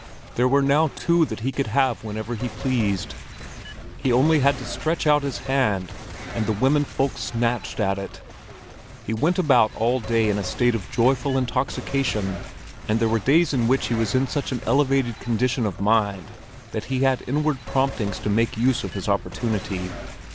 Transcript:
There were now two that he could have whenever he pleased; he only had to stretch out his hand, and the women folk snatched at it. He went about all day in a state of joyful intoxication, and there were days in which he was in such an elevated condition of mind that he had inward promptings to make use of his opportunity.